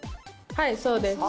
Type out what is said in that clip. はいそうです。